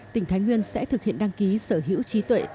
tỉnh thái nguyên sẽ thực hiện đăng ký sở hữu trí tuệ